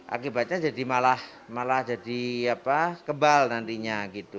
akibatnya malah jadi kebal nantinya